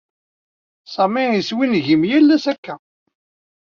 Sami yeswingim yall-ass akk-a.